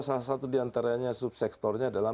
salah satu diantaranya subsektornya adalah